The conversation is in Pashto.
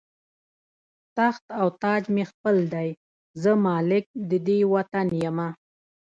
تخت او تاج مې خپل دی، زه مالک د دې وطن یمه